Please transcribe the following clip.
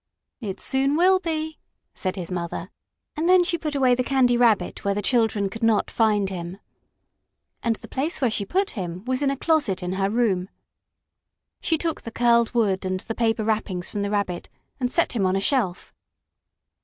"It soon will be," said his mother, and then she put away the Candy Rabbit where the children could not find him. And the place where she put him was in a closet in her room. She took the curled wood and the paper wrappings from the Rabbit, and set him on a shelf.